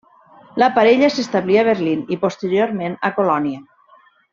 La parella s'establí a Berlín i posteriorment a Colònia.